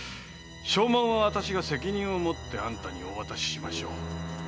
証文は私が責任を持ってあんたにお渡ししましょう。